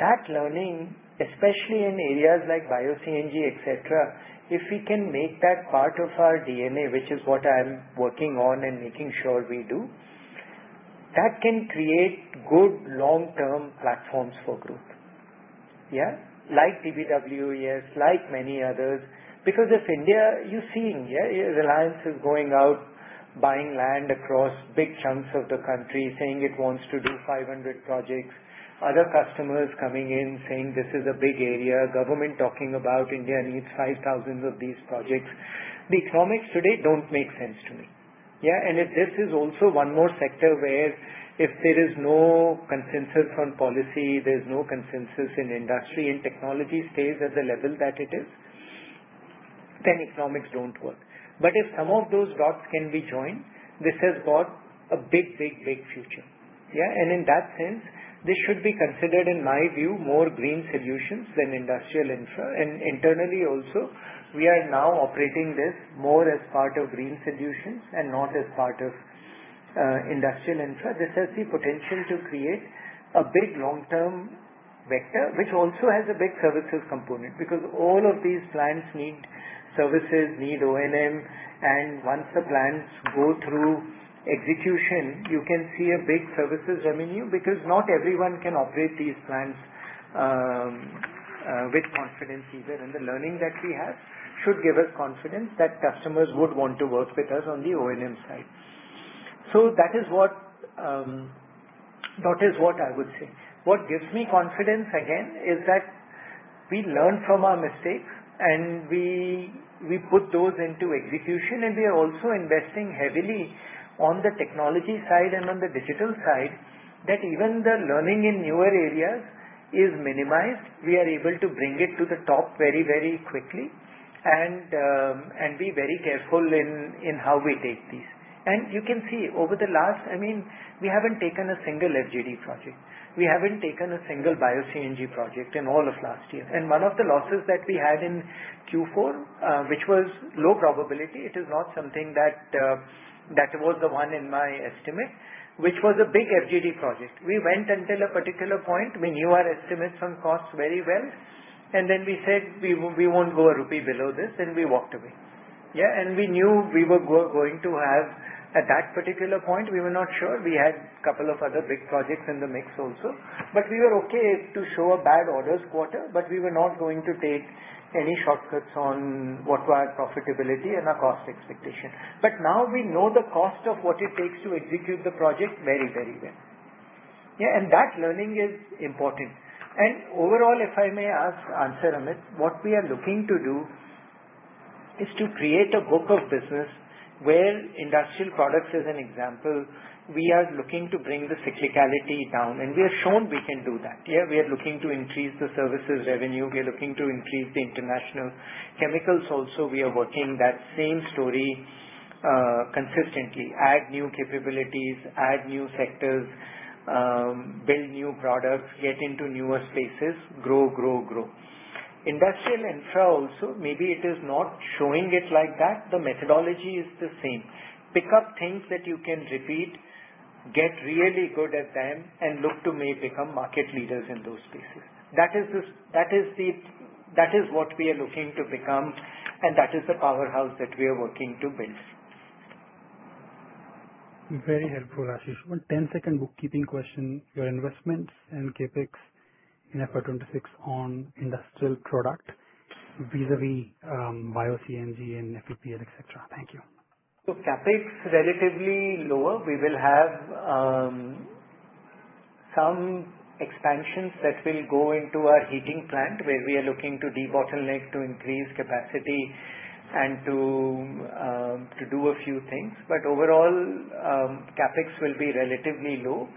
That learning, especially in areas like Bio-CNG, etc., if we can make that part of our DNA, which is what I'm working on and making sure we do, that can create good long-term platforms for growth. Yeah, like TBWES, like many others. Because in India, you see, in India, Reliance is going out buying land across big chunks of the country, saying it wants to do 500 projects, other customers coming in saying this is a big area, government talking about India needs 5,000 of these projects. The economics today don't make sense to me. Yeah, and this is also one more sector where if there is no consensus on policy, there's no consensus in industry, and technology stays at the level that it is, then economics don't work. But if some of those dots can be joined, this has got a big, big, big future. Yeah, and in that sense, this should be considered, in my view, more green solutions than industrial infra. Internally also, we are now operating this more as part of green solutions and not as part of industrial infra. This has the potential to create a big long-term vector, which also has a big services component because all of these plants need services, need O&M, and once the plants go through execution, you can see a big services revenue because not everyone can operate these plants with confidence either, and the learning that we have should give us confidence that customers would want to work with us on the O&M side, so that is what I would say. What gives me confidence again is that we learn from our mistakes, and we put those into execution, and we are also investing heavily on the technology side and on the digital side that even the learning in newer areas is minimized. We are able to bring it to the top very, very quickly and be very careful in how we take these. And you can see over the last. I mean, we haven't taken a single FGD project. We haven't taken a single Bio CNG project in all of last year. And one of the losses that we had in Q4, which was low probability, it is not something that was the one in my estimate, which was a big FGD project. We went until a particular point. We knew our estimates on costs very well, and then we said we won't go a rupee below this, and we walked away. Yeah, and we knew we were going to have at that particular point. We were not sure. We had a couple of other big projects in the mix also, but we were okay to show a bad orders quarter, but we were not going to take any shortcuts on what were our profitability and our cost expectation. But now we know the cost of what it takes to execute the project very, very well. Yeah, and that learning is important. And overall, if I may answer, Amit, what we are looking to do is to create a book of business where industrial products as an example, we are looking to bring the cyclicality down, and we have shown we can do that. Yeah, we are looking to increase the services revenue. We are looking to increase the international chemicals also. We are working that same story consistently. Add new capabilities, add new sectors, build new products, get into newer spaces, grow, grow, grow. Industrial infra also, maybe it is not showing it like that. The methodology is the same. Pick up things that you can repeat, get really good at them, and look to may become market leaders in those spaces. That is what we are looking to become, and that is the powerhouse that we are working to build. Very helpful, Ashish. One 10-second bookkeeping question. Your investments and CapEx in FY 2026 on industrial product vis-à-vis Bio-CNG and FEPL, etc. Thank you. CapEx relatively lower. We will have some expansions that will go into our heating plant where we are looking to de-bottleneck to increase capacity and to do a few things. But overall, CapEx will be relatively low.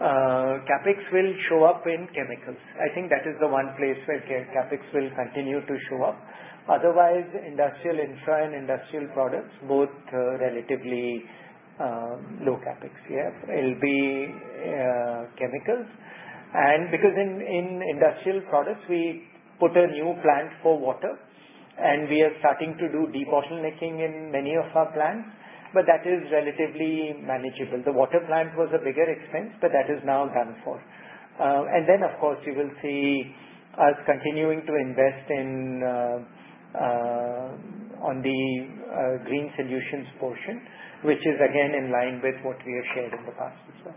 CapEx will show up in chemicals. I think that is the one place where CapEx will continue to show up. Otherwise, industrial infra and industrial products, both relatively low CapEx, yeah, will be chemicals. And because in industrial products, we put a new plant for water, and we are starting to do de-bottlenecking in many of our plants, but that is relatively manageable. The water plant was a bigger expense, but that is now done for. And then, of course, you will see us continuing to invest on the green solutions portion, which is again in line with what we have shared in the past as well.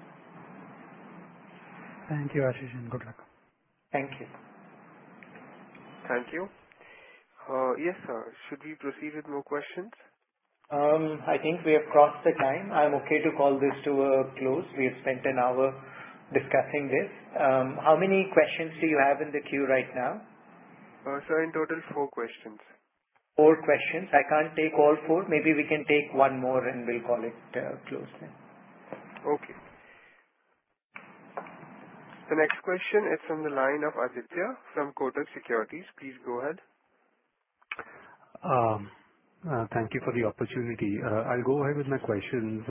Thank you, Ashish. Good luck. Thank you. Thank you. Yes, sir. Should we proceed with more questions? I think we have crossed the time. I'm okay to call this to a close. We have spent an hour discussing this. How many questions do you have in the queue right now? Sir, in total, four questions. Four questions. I can't take all four. Maybe we can take one more and we'll call it closed then. Okay. The next question is from the line of Aditya from Kotak Securities. Please go ahead. Thank you for the opportunity. I'll go ahead with my questions.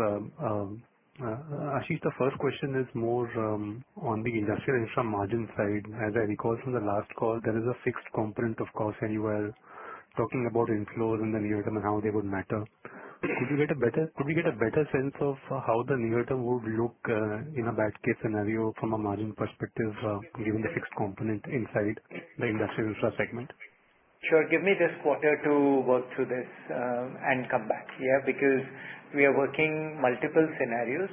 Ashish, the first question is more on the industrial infra margin side. As I recall from the last call, there is a fixed component, of course, anyway talking about inflows in the near term and how they would matter. Could we get a better sense of how the near term would look in a bad case scenario from a margin perspective, given the fixed component inside the industrial infra segment? Sure. Give me this quarter to work through this and come back, yeah, because we are working multiple scenarios.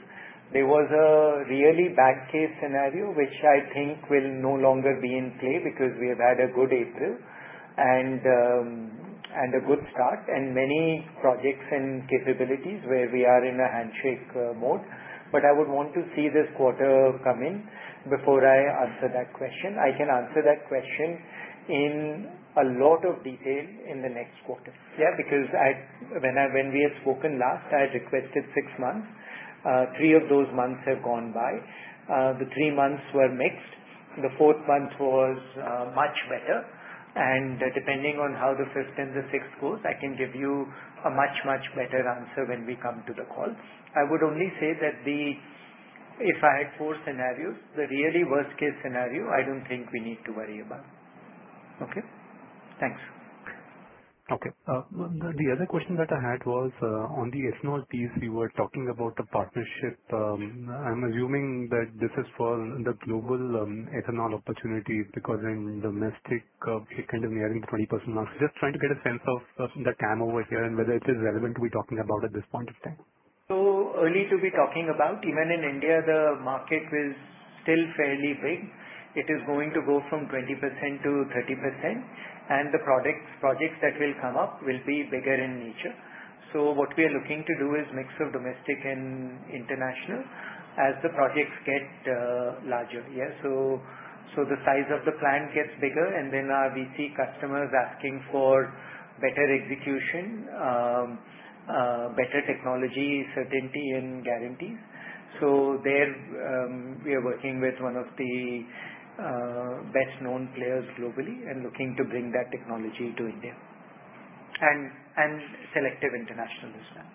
There was a really bad case scenario, which I think will no longer be in play because we have had a good April and a good start and many projects and capabilities where we are in a handshake mode. But I would want to see this quarter come in before I answer that question. I can answer that question in a lot of detail in the next quarter, yeah, because when we had spoken last, I had requested six months. Three of those months have gone by. The three months were mixed. The fourth month was much better. And depending on how the fifth and the sixth goes, I can give you a much, much better answer when we come to the call. I would only say that if I had four scenarios, the really worst-case scenario, I don't think we need to worry about. Okay? Thanks. Okay. The other question that I had was on the ethanol piece. We were talking about the partnership. I'm assuming that this is for the global ethanol opportunity because in domestic, it's kind of nearing the 20% mark. Just trying to get a sense of the game over here and whether it is relevant to be talking about at this point of time. So early to be talking about. Even in India, the market is still fairly big. It is going to go from 20%-30%, and the projects that will come up will be bigger in nature. So what we are looking to do is a mix of domestic and international as the projects get larger, yeah. So the size of the plant gets bigger, and then we see customers asking for better execution, better technology, certainty, and guarantees. So we are working with one of the best-known players globally and looking to bring that technology to India and selective international as well.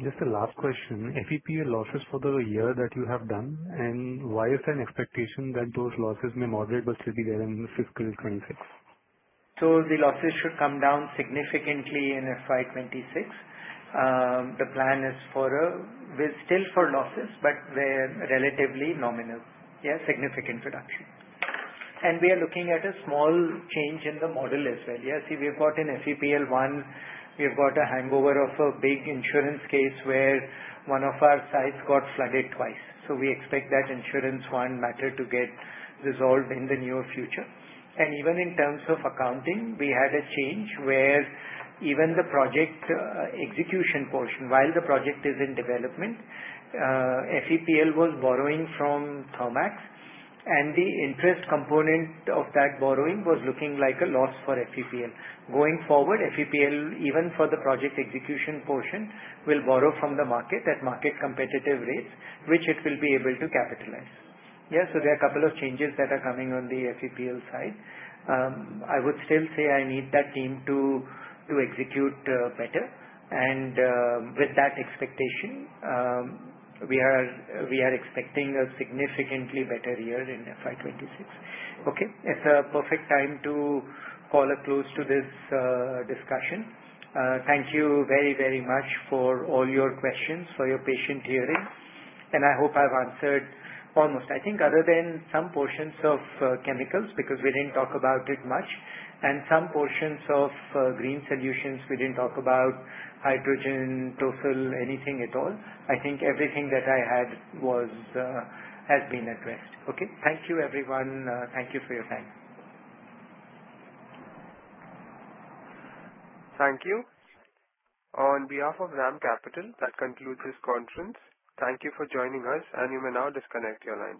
Just a last question. FEPL losses for the year that you have done, and why is there an expectation that those losses may moderate but still be there in fiscal 2026? So the losses should come down significantly in FY 2026. The plan is still for losses, but they're relatively nominal, yeah, significant reduction. And we are looking at a small change in the model as well. Yeah, see, we've got an FEPL one. We've got a hangover of a big insurance case where one of our sites got flooded twice. So we expect that insurance one matter to get resolved in the near future. And even in terms of accounting, we had a change where even the project execution portion, while the project is in development, FEPL was borrowing from Thermax, and the interest component of that borrowing was looking like a loss for FEPL. Going forward, FEPL, even for the project execution portion, will borrow from the market at market competitive rates, which it will be able to capitalize. Yeah, so there are a couple of changes that are coming on the FEPL side. I would still say I need that team to execute better, and with that expectation, we are expecting a significantly better year in FY 2026. Okay. It's a perfect time to call a close to this discussion. Thank you very, very much for all your questions, for your patient hearing, and I hope I've answered almost, I think, other than some portions of chemicals because we didn't talk about it much, and some portions of green solutions. We didn't talk about hydrogen, too. Of anything at all. I think everything that I had has been addressed. Okay. Thank you, everyone. Thank you for your time. Thank you. On behalf of DAM Capital, that concludes this conference. Thank you for joining us, and you may now disconnect your lines.